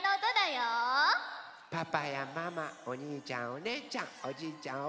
パパやママおにいちゃんおねえちゃんおじいちゃん